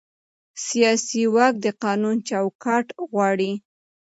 سیاسي واک د قانون چوکاټ غواړي